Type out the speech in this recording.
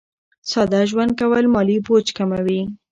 ساده ژوند کول مالي بوج کموي.